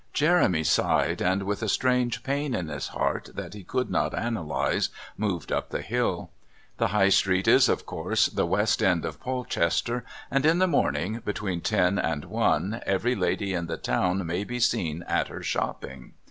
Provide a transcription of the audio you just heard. Jeremy sighed, and, with a strange pain at his heart that he could not analyse, moved up the hill. The High Street is, of course, the West End of Polchester, and in the morning, between ten and one, every lady in the town may be seen at her shopping.